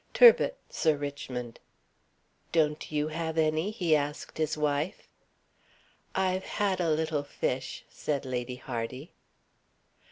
"Turbot, Sir Richmond." "Don't you have any?" he asked his wife. "I've had a little fish," said Lady Hardy.